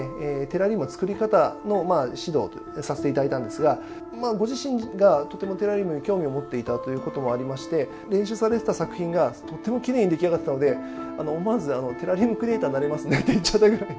テラリウムの作り方の指導をさせて頂いたんですがご自身がとてもテラリウムに興味を持っていたということもありまして練習されてた作品がとてもきれいに出来上がっていたので思わずテラリウムクリエーターになれますねって言っちゃったぐらい。